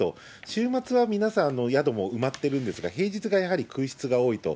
週末は皆さん、宿も埋まってるんですが、平日がやはり空室が多いと。